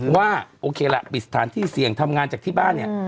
ว่าโอเคล่ะปิดสถานที่เสี่ยงทำงานจากที่บ้านเนี่ย